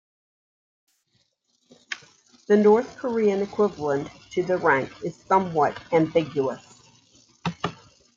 The North Korean equivalent to the rank is somewhat ambiguous.